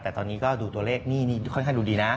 แต่ตอนนี้ก็ดูตัวเลขนี่ค่อนข้างดูดีนะ